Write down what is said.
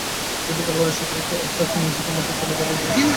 প্রতিটি খেলোয়াড়ের স্বকীয়তা আছে, আছে নিজেকে মাঠে তুলে ধরার নিজস্ব স্টাইল।